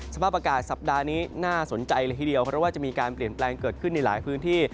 สภาพอากาศสัปดาห์นี้น่าสนใจเลยทีเดียวเพราะว่าจะมีการเปลี่ยนแปลงเกิดขึ้นในหลายพื้นที่